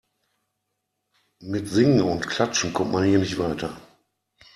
Mit Singen und Klatschen kommt man hier nicht weiter.